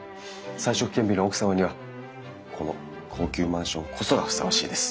才色兼備の奥様にはこの高級マンションこそがふさわしいです。